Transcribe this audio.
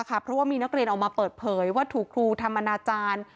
เพราะว่ามีนักเรียนออกมาเปิดเผยว่าถูกครูทำอนาจารย์